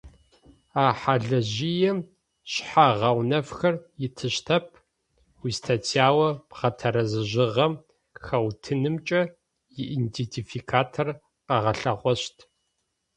А хьалыжъыем шъхьэ-гъэунэфхэр итыщтэп, уистатьяу бгъэтэрэзыжьыгъэм хэутынымкӏэ иидентификатор къыгъэлъэгъощт.